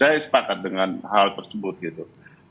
saya sepakat dengan hal tersebut gitu